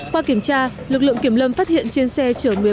qua kiểm tra lực lượng kiểm lâm phát hiện trên xe trở